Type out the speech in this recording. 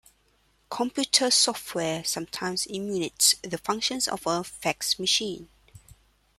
Computer software sometimes emulates the functions of a fax machine.